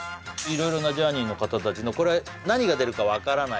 色々なジャーニーの方達のこれ何が出るか分からない